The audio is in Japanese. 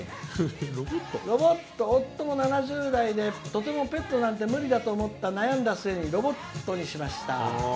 夫も７０代で、とてもペットなんて無理だと悩んだ末にロボットにしました」。